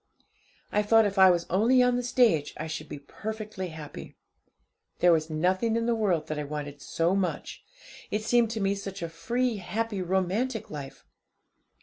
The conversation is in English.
I thought if I was only on the stage I should be perfectly happy. There was nothing in the world that I wanted so much; it seemed to me such a free, happy, romantic life.